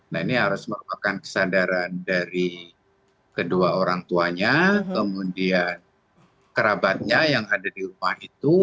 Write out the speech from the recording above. nah ini harus merupakan kesadaran dari kedua orang tuanya kemudian kerabatnya yang ada di rumah itu